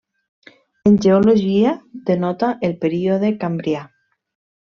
En geologia, denota el període cambrià.